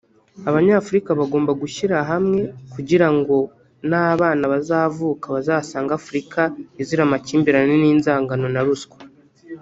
Abanyafurika bagomba gushyira hamwe kugira ngo n’abana bazavuka bazasange Afurika izira amakimbirane inzangano na ruswa”